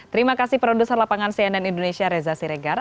terima kasih produser lapangan cnn indonesia reza siregar